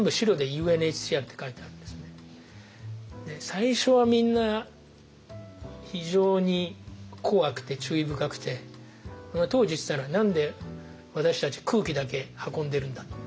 最初はみんな非常に怖くて注意深くて当時言ってたのは何で私たち空気だけ運んでるんだと。